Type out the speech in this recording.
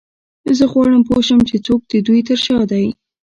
زه غواړم پوه شم چې څوک د دوی تر شا دی